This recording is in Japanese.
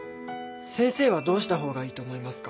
先生はどうした方がいいと思いますか？